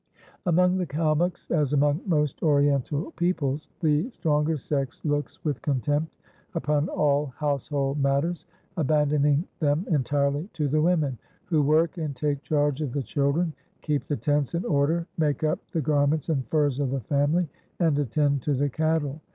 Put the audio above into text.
Among the Kalmuks, as among most Oriental peoples, the stronger sex looks with contempt upon all household matters, abandoning them entirely to the women; who work and take charge of the children, keep the tents in order, make up the garments and furs of the family, and attend to the cattle.